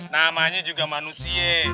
namanya juga manusia